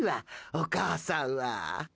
お母さんは。